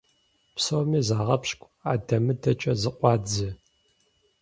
Псоми загъэпщкӀу, адэ-мыдэкӀэ зыкъуадзэ.